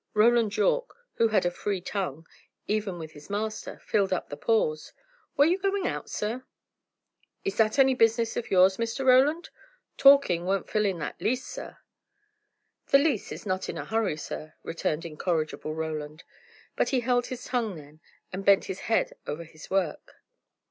Roland Yorke, who had a free tongue, even with his master, filled up the pause. "Were you going out, sir?" "Is that any business of yours, Mr. Roland? Talking won't fill in that lease, sir." "The lease is not in a hurry, sir," returned incorrigible Roland. But he held his tongue then, and bent his head over his work.